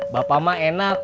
bapak mah enak